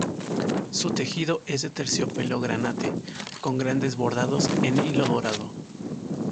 Su tejido es de terciopelo granate, con grandes bordados en hilo dorado.